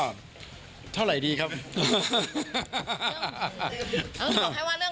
พี่เตอร์ค่ะเหนื่อย